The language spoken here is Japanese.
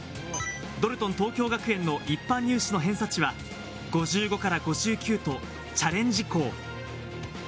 ドルトン東京学園の一般入試の偏差値は５５から５９とチャレンジ校。